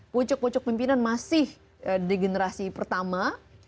pucuk pucuk pimpinan masih di generasi pertama